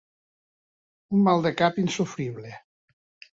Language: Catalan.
Un mal de cap insofrible.